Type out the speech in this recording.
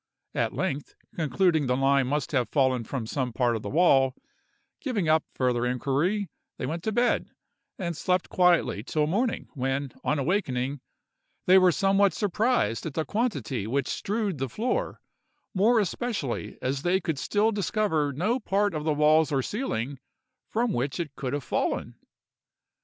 At length, concluding the lime must have fallen from some part of the wall, giving up further inquiry, they went to bed, and slept quietly till morning, when, on awaking, they were somewhat surprised at the quantity which strewed the floor, more especially as they could still discover no part of the walls or ceiling from which it could have fallen.